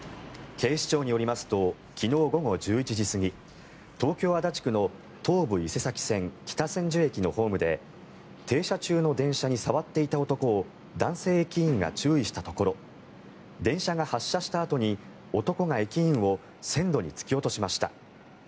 警視庁によりますと昨日午後１１時過ぎ東京・足立区の東武伊勢崎線北千住駅のホームで停車中の電車に触っていた男を男性駅員が注意したところ電車が発車したあとに男が駅員を線路に突き落としました。